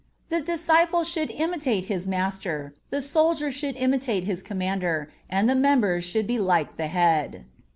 The disciple should imitate his Master, the soldier should imitate his Commander, and the members should be like the Head.